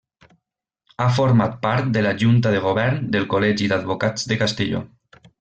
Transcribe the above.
Ha format part de la Junta de Govern del Col·legi d'Advocats de Castelló.